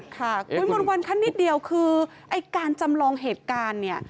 คุณมณวลคันนิดเดียวคือการจำลองเหตุการณ์